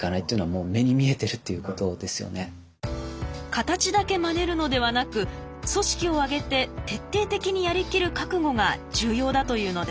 形だけまねるのではなく組織をあげて徹底的にやりきる覚悟が重要だというのです。